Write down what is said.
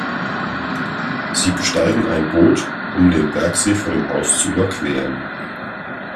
Sie besteigen ein Boot, um den Bergsee vor dem Haus zu überqueren.